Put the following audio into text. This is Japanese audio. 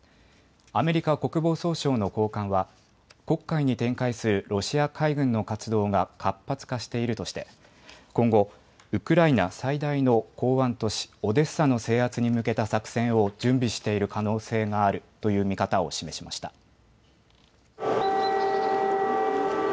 アメリカ国防総省の高官は黒海に展開するロシア海軍の活動が活発化しているとして今後、ウクライナ最大の港湾都市オデッサの制圧に向けた作戦を準備している可能性があるという見方を示しました。